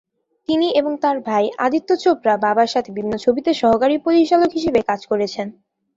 তিনি এবং তার ভাই আদিত্য চোপড়া বাবার সাথে বিভিন্ন ছবিতে সহকারী পরিচালক হিসেবে কাজ করেছেন।